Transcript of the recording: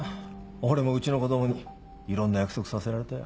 俺もうちの子供にいろんな約束させられたよ。